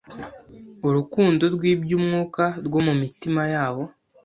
urukundo rw'iby'umwuka rwo mu mitima yabo.